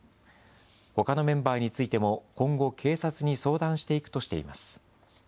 ほかのメンバーについても今後、警察に相談していくとしています。